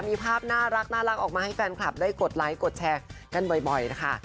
มีภาพน่ารักออกมาให้แฟนคลับได้กดไลค์กดแชร์กันบ่อยนะคะ